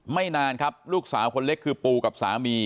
ไม่นานครับลูกสาวคนเล็กคือปูกับสามี